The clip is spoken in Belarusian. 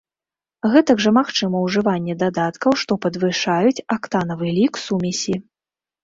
Гэтак жа магчыма ўжыванне дадаткаў, што падвышаюць актанавы лік сумесі.